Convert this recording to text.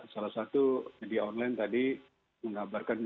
salah satu media online tadi menggambarkan dua puluh tujuh